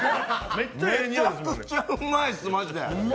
めちゃくちゃうまいっす、まじで。